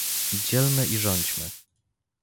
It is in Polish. Dzielmy i rządźmy